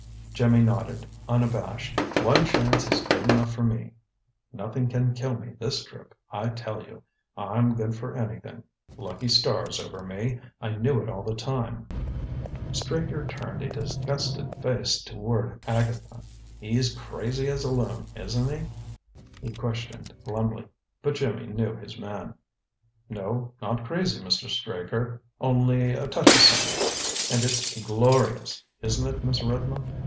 Jimmy nodded, unabashed. "One chance is good enough for me. Nothing can kill me this trip, I tell you. I'm good for anything. Lucky star's over me. I knew it all the time." Straker turned a disgusted face toward Agatha. "He's crazy as a loon! Isn't he?" he questioned glumly. But Jimmy knew his man. "No, not crazy, Mr. Straker. Only a touch o' sun! And it's glorious, isn't it, Miss Redmond?"